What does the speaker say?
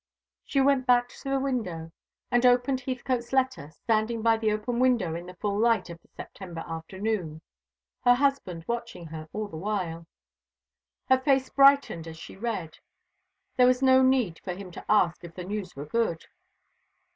She went back to the window, and opened Heathcote's letter, standing by the open window in the full light of the September afternoon, her husband watching her all the while. Her face brightened as she read. There was no need for him to ask if the news were good.